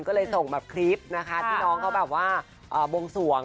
ก็เลยส่งแบบคลิปนะคะที่น้องเขาแบบว่าบวงสวง